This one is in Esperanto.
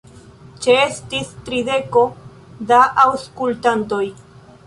Ĉeestis trideko da aŭskultantoj.